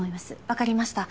分かりました。